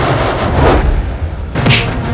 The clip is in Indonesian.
atau tentang kakaknya